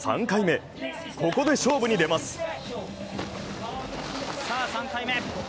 ３回目、ここで勝負に出ます。